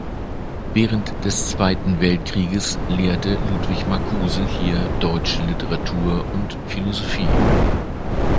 Während des Zweiten Weltkrieges lehrte Ludwig Marcuse hier deutsche Literatur und Philosophie.